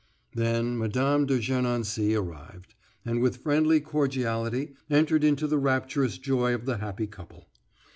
Then Mme. de Gernancé arrived, and with friendly cordiality entered into the rapturous joy of the happy couple.